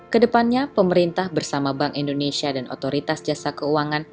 kedepannya pemerintah bersama bank indonesia dan otoritas jasa keuangan